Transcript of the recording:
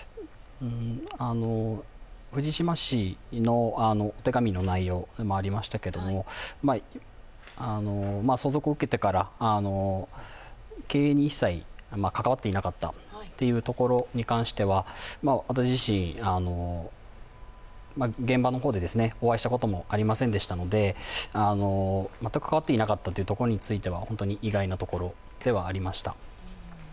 藤島氏のお手紙の内容もありましたけれども、相続を受けてから経営に一切関わっていなかったということに関しては、私自身、現場の方でお会いしたこともありませんでしたので、全く関わっていなかったというところについては、本当に意外なところではありました。